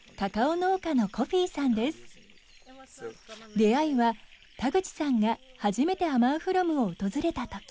出会いは田口さんが初めてアマンフロムを訪れたとき。